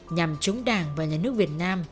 nhằm chống đảng và nhà nước việt nam